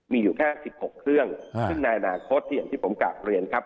มีอยู่แค่๑๖เครื่องซึ่งในอนาคตที่ผมกากเรียนครับ